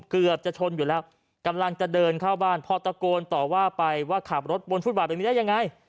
เกือบจะชนอยู่แล้วกำลังจะเดินเข้าบ้านพอตะโกนต่อว่าไปว่าขับรถบนฟุตบาทแบบนี้ได้ยังไง